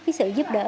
cái sự giúp đỡ